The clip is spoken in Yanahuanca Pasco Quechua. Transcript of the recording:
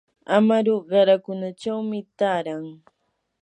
amaru qarakunachawmi taaran.